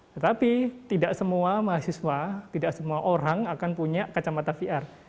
tetapi tidak semua mahasiswa tidak semua orang akan punya kacamata vr